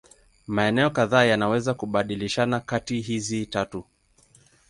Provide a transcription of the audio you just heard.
Maeneo kadhaa yanaweza kubadilishana kati hizi tatu.